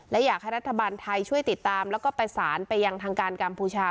และอยากให้รัฐบาลไทยช่วยติดตามแล้วก็ประสานไปยังทางการกัมพูชา